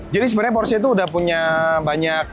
jadi sebenarnya porsche itu udah punya banyak